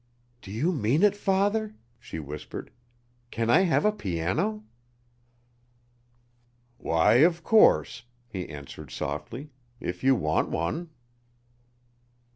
"Do you mean it, father?" she whispered. "Can I have a piano?" "Why, of course," he answered softly, "if you want one."